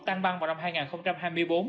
tăng băng vào năm hai nghìn hai mươi bốn